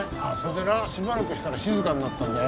しばらくしたら静かになってよ